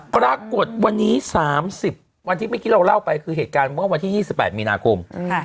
ปรากฏวันนี้๓๐วันที่เมื่อกี้เราเล่าไปคือเหตุการณ์เมื่อวันที่๒๘มีนาคม